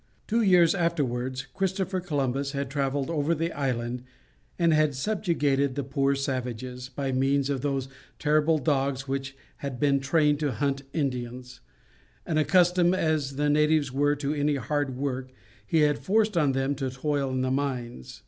Two years afterwards Christopher Columbus had travelled over the island and had subjugated the poor savages, by means of those terrible dogs which had been trained to hunt Indians, and unaccustomed as the natives were to any hard work, he had forced them to toil in the mines.